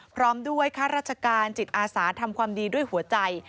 พร้อมด้วยข้าราชการจิตอาสาทำความดีด้วยหัวใจ